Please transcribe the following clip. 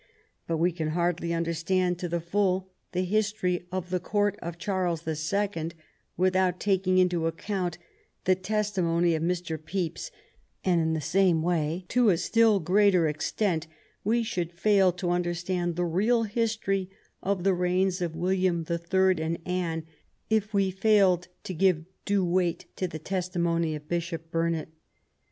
But we can hardly understand to the full the history of the court of Charles the Second without taking into account the testimony of Mr. Pepys, and in the same way, and to a still greater extent, we should fail to understand the real history of the reigns of William the Third and Anne if we failed to give due weight to the testimony of Bishop Burnet.